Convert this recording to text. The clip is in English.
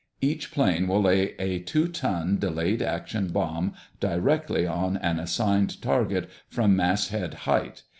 Each plane will lay a two ton, delayed action bomb directly on an assigned target, from mast head height.